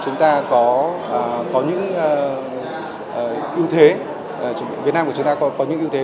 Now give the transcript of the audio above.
chúng ta có những ưu thế việt nam của chúng ta có những ưu thế